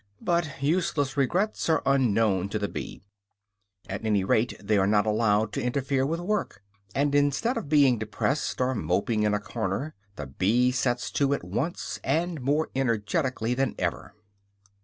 But useless regrets are unknown to the bee; at any rate, they are not allowed to interfere with work. And instead of being depressed or moping in a corner, the bee sets to at once, and more energetically than ever.